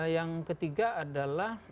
yang ketiga adalah